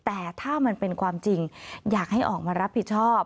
แต่ถ้ามันเป็นความจริงอยากให้ออกมารับผิดชอบ